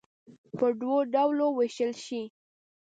په دوو ډلو ووېشل شي.